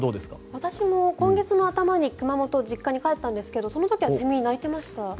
私も今月の頭に熊本の実家に帰ったんですがその時はセミ鳴いていました。